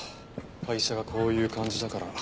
会社がこういう感じだから。